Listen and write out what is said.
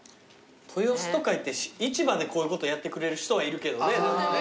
豊洲とか行って市場でこういうことやってくれる人はいるけどね。